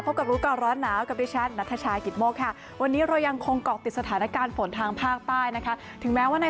ก็ติดข่อพกลับยุติก่อนร้อนหนาวกับดิฉันนัทชากิฟต์โมกค่ะวันนี้เรายังคงเกาะติดสถานการณ์ฝนทางภากป้ายนะคะที่แม้ว่าใน